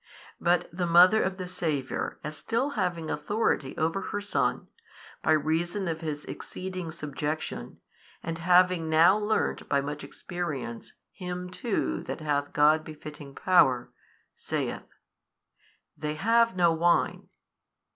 But the Mother of the Saviour as still having authority over her Son, by reason of His exceeding subjection, and having now learnt by much experience Him too that hath God befitting Power, saith, They have no wine.